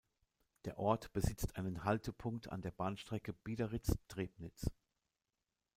Der Ort besitzt einen Haltepunkt an der Bahnstrecke Biederitz–Trebnitz.